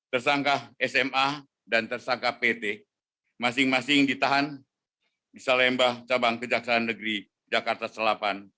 tersangka sma dan tersangka pt masing masing ditahan di salembah cabang kejaksaan negeri jakarta selatan